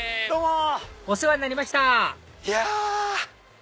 お世話になりましたいや！